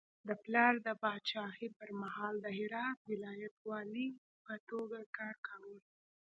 د پلار د پاچاهي پر مهال د هرات ولایت والي په توګه کار کاوه.